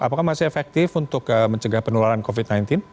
apakah masih efektif untuk mencegah penularan covid sembilan belas